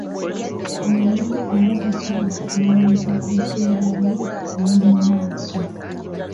Oli aba tasobola kulowooza ku biseera bye eby'omu maaso.